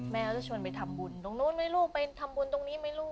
แม่จะชวนไปทำบุญตรงนู้นไม่รู้ไปทำบุญตรงนี้ไม่รู้